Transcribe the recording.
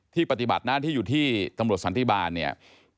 ปฏิบัติหน้าที่อยู่ที่ตำรวจสันติบาลเนี่ย